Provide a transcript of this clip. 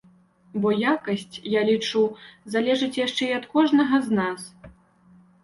Бо якасць, я лічу, залежыць яшчэ і ад кожнага з нас.